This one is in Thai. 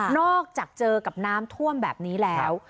อกจากเจอกับน้ำท่วมแบบนี้แล้ว